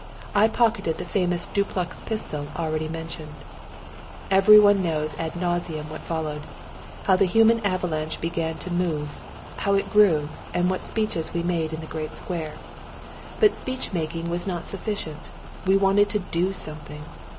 I pocketed the famous duplex pistol already mentioned. Every one knows ad nauseam what followed how the human avalanche began to move, how it grew, and what speeches we made in the great square. But speech making was not sufficient, we wanted to do something.